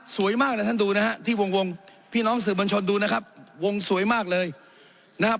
สวยมากเลยท่านดูนะฮะที่วงพี่น้องสื่อบัญชนดูนะครับวงสวยมากเลยนะครับ